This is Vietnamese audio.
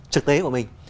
trực tế của mình